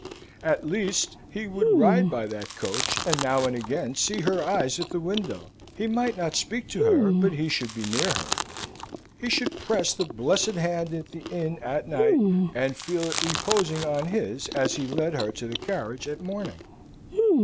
At least, he would ride by that coach, and now and again see her eyes at the window. He might not speak to her, but he should be near her. He should press the blessed hand at the inn at night, and feel it reposing on his as he led her to the carriage at morning.